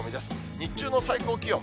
日中の最高気温。